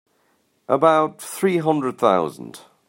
About three hundred thousand.